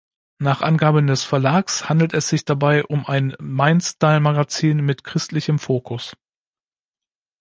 Nach Angaben des Verlags handelt es sich dabei um ein „Mindstyle-Magazin mit christlichem Fokus“.